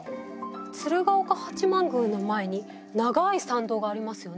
鶴岡八幡宮の前に長い参道がありますよね。